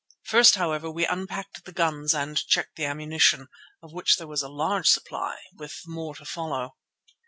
First, however, we unpacked the guns and checked the ammunition, of which there was a large supply, with more to follow.